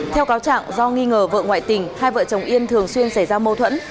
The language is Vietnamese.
theo cáo trạng do nghi ngờ vợ ngoại tình hai vợ chồng yên thường xuyên xảy ra mâu thuẫn